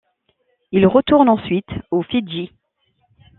Il retourne ensuite aux Fidji.